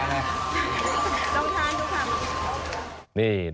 ลองทานดูค่ะ